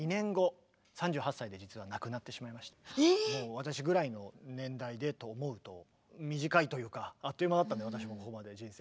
もう私ぐらいの年代でと思うと短いというかあっという間だったんで私もここまで人生。